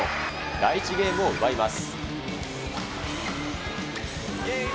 第１ゲームを奪います。